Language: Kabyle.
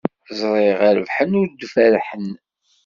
Ziɣ rebḥen ur d-berrḥen.